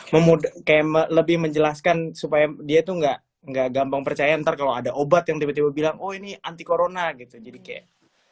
memudahkan lebih menjelaskan supaya dia tuh nggak gampang percaya ntar kalau ada obat yang tiba tiba bilang oh ini anti corona gitu jadi kayak